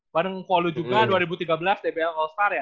bareng follow juga dua ribu tiga belas dbl all star ya